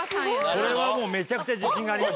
これはもうめちゃくちゃ自信がありました。